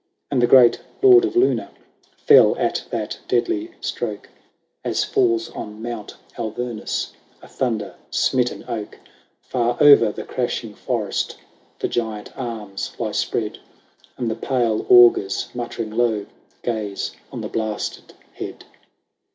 XL VI. And the great Lord of Luna Fell at that deadly stroke. HORATIUS. 67 As falls on Mount Alvernus A thunder smitten oak. Far o'er the crashing forest The giant arms lie spread ; And the pale augurs, muttering low. Gaze on the blasted head.